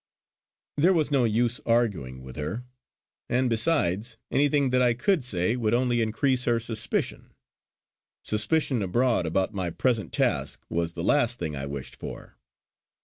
There was no use arguing with her; and besides anything that I could say would only increase her suspicion. Suspicion abroad about my present task was the last thing I wished for.